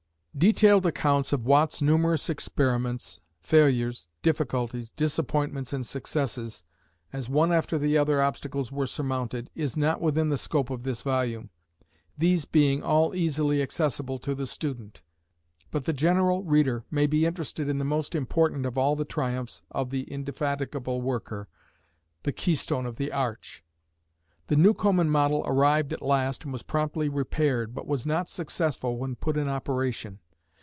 Detailed accounts of Watt's numerous experiments, failures, difficulties, disappointments, and successes, as one after the other obstacles were surmounted, is not within the scope of this volume, these being all easily accessible to the student, but the general reader may be interested in the most important of all the triumphs of the indefatigable worker the keystone of the arch. The Newcomen model arrived at last and was promptly repaired, but was not successful when put in operation.